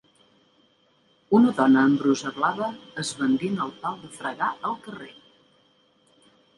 Una dona amb brusa blava esbandint el pal de fregar al carrer.